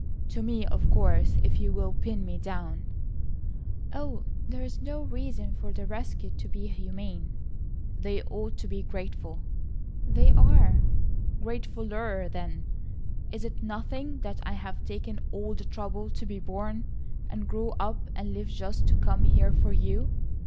"To me, of course, if you will pin me down." "Oh, there is no reason for the rescued to be humane." "They ought to be grateful." "They are." "Gratefuller then. Is it nothing that I have taken all the trouble to be born and grow up and live just to come here for you?"